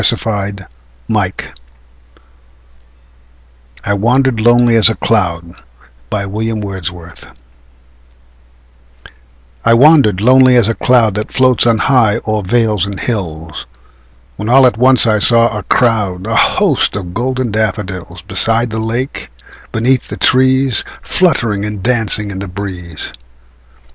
William Wordsworth I Wandered Lonely As a Cloud I WANDERED lonely as a cloud That floats on high o'er vales and hills, When all at once I saw a crowd, A host, of golden daffodils; Beside the lake, beneath the trees, Fluttering and dancing in the breeze.